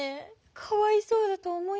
かわいそうだと思いませんか？